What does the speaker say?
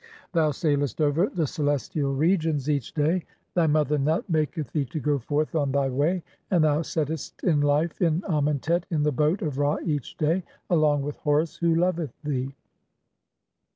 (n) Thou sailest over the celestial "regions each day, thy mother Nut maketh thee to go forth on "thy way, and thou settest in life in Amentet in the boat of "Ra each day, along with (12) Horus who loveth thee.